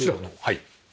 はい。